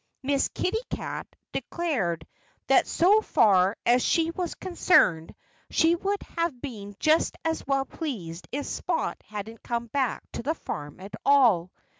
Miss Kitty Cat declared that so far as she was concerned she would have been just as well pleased if Spot hadn't come back to the farm at all.